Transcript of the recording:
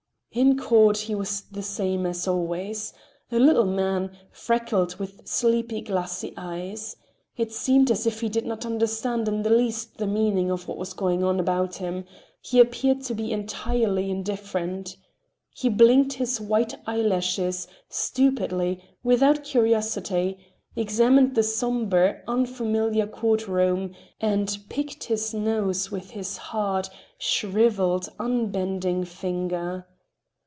In court he was the same as always; a little man, freckled, with sleepy, glassy eyes. It seemed as if he did not understand in the least the meaning of what was going on about him; he appeared to be entirely indifferent. He blinked his white eyelashes, stupidly, without curiosity; examined the sombre, unfamiliar courtroom, and picked his nose with his hard, shriveled, unbending finger.